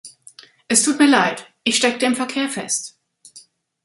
Es tut mir leid Ich steckte im Verkehr fest.